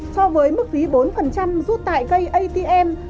so với mức phí bốn rút tại cây atm